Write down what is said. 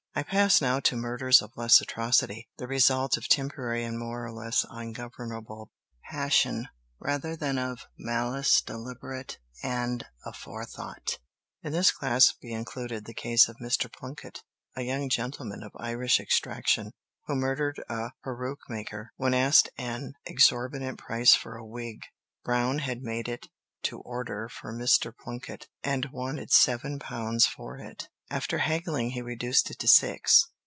I pass now to murders of less atrocity, the result of temporary and more or less ungovernable passion, rather than of malice deliberate and aforethought. In this class must be included the case of Mr. Plunkett, a young gentleman of Irish extraction, who murdered a peruke maker, when asked an exorbitant price for a wig. Brown had made it to order for Mr. Plunkett, and wanted seven pounds for it. After haggling he reduced it to six.